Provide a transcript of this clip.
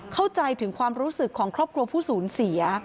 เข้าใจถึงความรู้สึกของครอบครัวผู้สูญเสีย